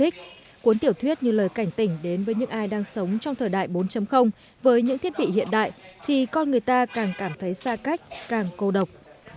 cuốn tiểu thuyết như lời cảnh tỉnh đến với những ai đang sống trong thời đại bốn với những thiết bị hiện đại thì con người ta càng cảm thấy xa cách càng cô độc